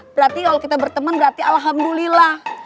berarti kalau kita berteman berarti alhamdulillah